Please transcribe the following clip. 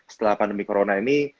setelah pandemi corona ini